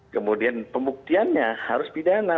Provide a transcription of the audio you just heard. kemudian pembuktiannya harus pidana